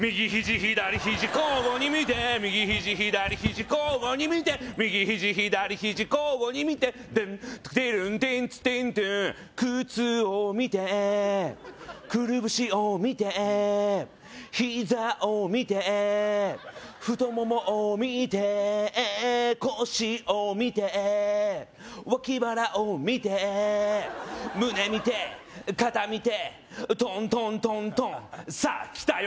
左ひじ交互に見て右ひじ左ひじ交互に見て右ひじ左ひじ交互に見てドゥンテルンテンツテントゥン靴を見てくるぶしを見てひざを見て太ももを見て腰を見て脇腹を見て胸見て肩見てトントントントンさあきたよ